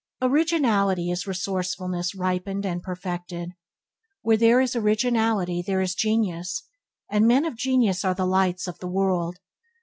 Originality is resourcefulness ripened and perfected. Where there is originality there is genius, and men of genius are the lights of the world.